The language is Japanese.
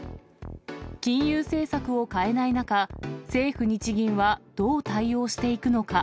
金融政策を変えない中、政府・日銀はどう対応していくのか。